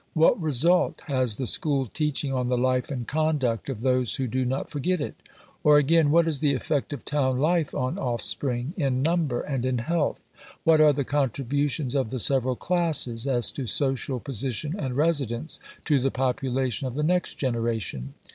What result has the school teaching on the life and conduct of those who do not forget it? Or, again, what is the effect of town life on offspring, in number and in health? What are the contributions of the several classes (as to social position and residence) to the population of the next generation?